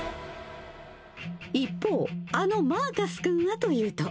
一方、あのマーカス君はというと。